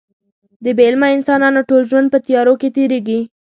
د بې علمه انسانانو ټول ژوند په تیارو کې تېرېږي.